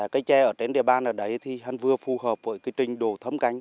cây trè ở trên địa bàn ở đấy thì hẳn vừa phù hợp với trình đồ thấm cánh